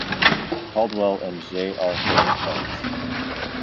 Caldwell and J. Arthur Phelps.